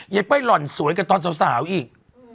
เย็ดเป้ยหล่อนสวยกับตอนสาวอีก